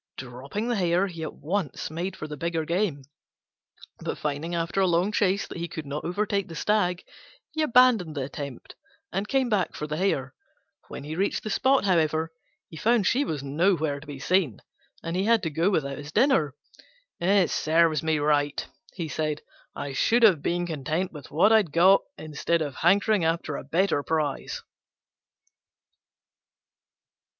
Dropping the Hare, he at once made for the bigger game; but finding, after a long chase, that he could not overtake the stag, he abandoned the attempt and came back for the Hare. When he reached the spot, however, he found she was nowhere to be seen, and he had to go without his dinner. "It serves me right," he said; "I should have been content with what I had got, instead of hankering after a better prize."